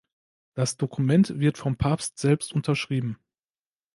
Das Dokument wird vom Papst selbst unterschrieben.